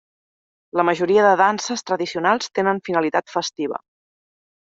La majoria de danses tradicionals tenen finalitat festiva.